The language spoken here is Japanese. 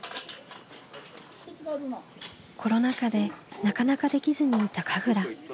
コロナ禍でなかなかできずにいた神楽。